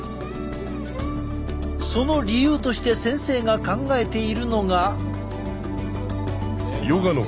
その理由として先生が考えているのが。